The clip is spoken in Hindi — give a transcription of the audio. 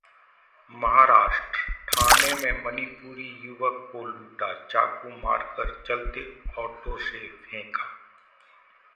महाराष्ट्र: ठाणे में मणिपुरी युवक को लूटा, चाकू मारकर चलते ऑटो से फेंका